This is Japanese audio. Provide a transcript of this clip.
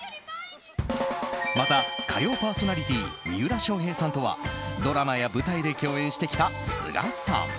また、火曜パーソナリティー三浦翔平さんとはドラマや舞台で共演してきた須賀さん。